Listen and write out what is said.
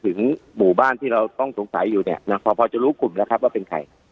หมู่บ้านที่เราต้องสงสัยอยู่เนี่ยนะพอจะรู้กลุ่มแล้วครับว่าเป็นใคร